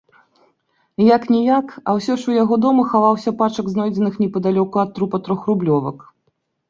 Як-ніяк, а ўсё ж у яго дома хаваўся пачак знойдзеных непадалёку ад трупа трохрублёвак.